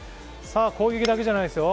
攻撃だけじゃないですよ。